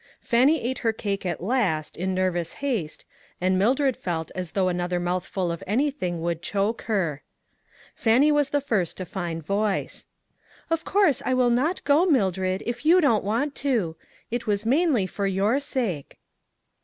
Fannie ate her cake at last, in nervous haste, and Mildred felt as though another mouthful of anything would choke her. Fannie was the first to find voice :" Of course I will not go, Mildred, if you don't want to; it was mainly for your sake."